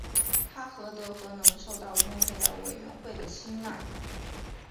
他何德何能受到诺贝尔委员会的青睐。